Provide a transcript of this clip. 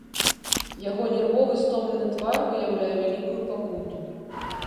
Яго нервовы стомлены твар выяўляе вялікую пакуту.